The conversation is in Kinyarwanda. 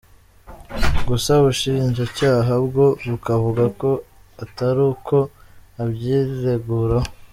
Gusa ubushinjacyaha bwo bukavuga ko atari uko abyireguraho.